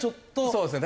そうですね。